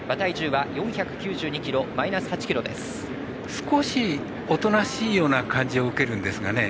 少しおとなしいような感じを受けるんですがね